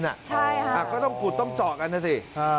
ใช่ค่ะก็ต้องขุดต้องเจาะกันนะสิ